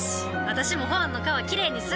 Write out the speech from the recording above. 私もホアンの川きれいにする！